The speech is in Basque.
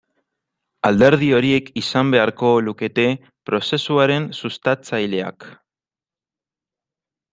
Alderdi horiek izan beharko lukete prozesuaren sustatzaileak.